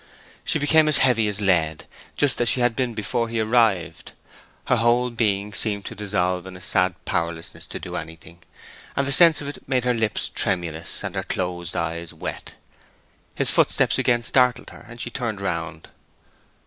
She became as heavy as lead—just as she had been before he arrived. Her whole being seemed to dissolve in a sad powerlessness to do anything, and the sense of it made her lips tremulous and her closed eyes wet. His footsteps again startled her, and she turned round.